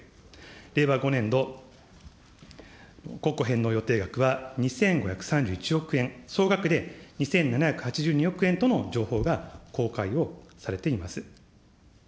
令和５年度、国庫返納予定額は２５３１億円、総額で２７８２億円との情報が公開をされています。